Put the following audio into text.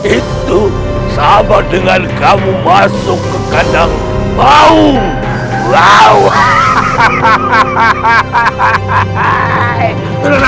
itu sama dengan kamu masuk ke kandang baung